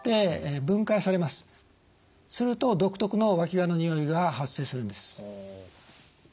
すると独特のわきがのにおいが発生するんです。